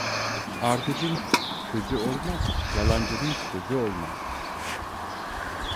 Ardıcın közü olmaz, yalancının sözü olmaz.